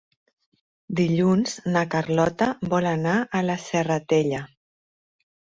Dilluns na Carlota vol anar a la Serratella.